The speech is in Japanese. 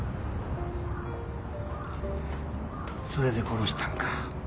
それで殺したんか。